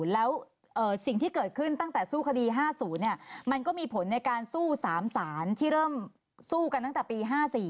แล้วสิ่งที่เกิดขึ้นตั้งแต่สู้คดี๕๐มันก็มีผลในการสู้๓สารที่เริ่มสู้กันตั้งแต่ปี๕๔